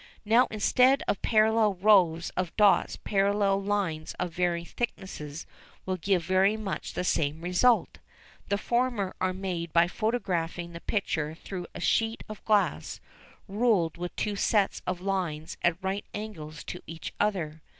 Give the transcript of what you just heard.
Now instead of parallel rows of dots parallel lines of varying thickness will give very much the same result. The former are made by photographing the picture through a sheet of glass ruled with two sets of lines at right angles to each other.